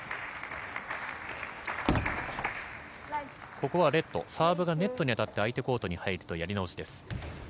ここはレットサーブがネットに当たって相手コートに入るとやり直しです。